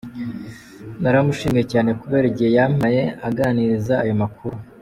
Naramushimiye cyane kubera igihe yampaye aganiriza ayo makuru.